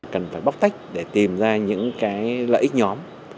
cần phải bóc tách để tìm ra những cái lợi ích nhóm